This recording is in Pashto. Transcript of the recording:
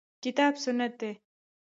کتاب سنت دي.